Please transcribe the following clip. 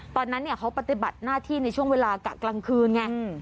ตอนนั้นเขาปฏิบัติหน้าที่ในช่วงเวลากะกลางคืนไง